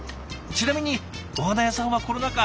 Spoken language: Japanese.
ちなみにお花屋さんはコロナ禍